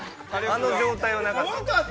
あの状態はなかった。